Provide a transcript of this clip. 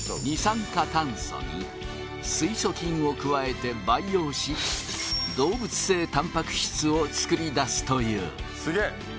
二酸化炭素に水素菌を加えて培養し動物性たんぱく質をつくり出すという。